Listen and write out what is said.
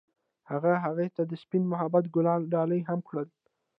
هغه هغې ته د سپین محبت ګلان ډالۍ هم کړل.